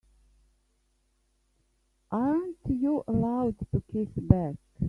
Aren't you allowed to kiss back?